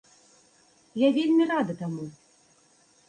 Я вельмі рада таму.